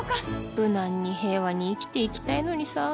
無難に平和に生きて行きたいのにさ。